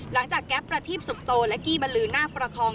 หลังจากแก๊บประทีปสุกโตและกี้บลือหน้าประคอง